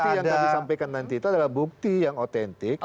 bukti yang disampaikan nanti itu adalah bukti yang otentik